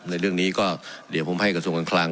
ในเรื่องนี้ก็เดี๋ยวผมให้กระทรวงการคลัง